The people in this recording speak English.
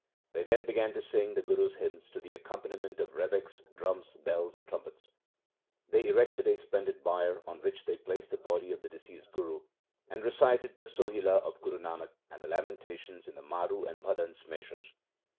They then began to sing the Guru's hymns to the accompaniment of rebecks, drums, bells, and trumpets. They erected a splendid bier on which they placed the body of the deceased Guru and recited the Sohila of Guru Nanak and the lamenta LIFE OF GURU ANGAD 45 tions in the Maru and Wadhans measures.